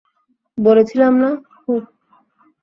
বলেছিলাম না, হু?